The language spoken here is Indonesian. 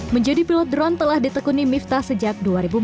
menjadi pilot drone telah ditekuni miftah sejak dua ribu empat belas